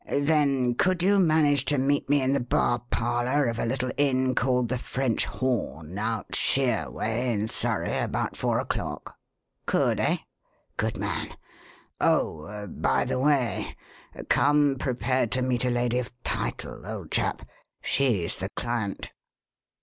Then could you manage to meet me in the bar parlour of a little inn called the French Horn, out Shere way, in Surrey, about four o'clock? Could, eh? Good man! Oh, by the way, come prepared to meet a lady of title, old chap she's the client.